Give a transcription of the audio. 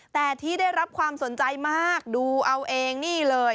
แต่ที่ได้รับความสนใจมากดูเอาเองนี่เลย